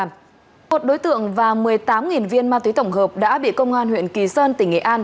một đối tượng và một mươi tám viên ma túy tổng hợp đã bị công an huyện kỳ sơn tỉnh nghệ an